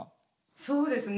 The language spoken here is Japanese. そうですね